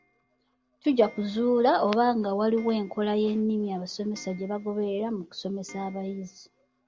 Tujja kuzuula oba nga waliwo enkola y’ennimi abasomesa gye bagoberera mu kusomesa abayizi.